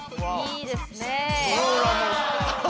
いいですねえ。